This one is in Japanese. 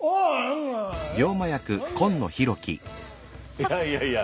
いやいやいや。